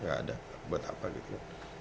nggak ada buat apa gitu